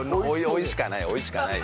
おいしかない。